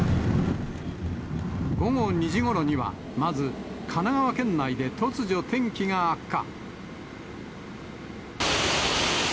午後２時ごろには、まず、神奈川県内で突如、天気が悪化。